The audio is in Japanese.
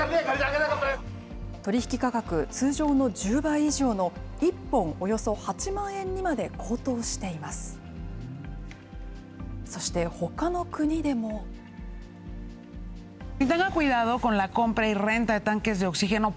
取り引き価格、通常の１０倍以上の１本およそ８万円にまで高騰しています。